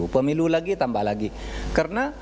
pemilu lagi tambah lagi karena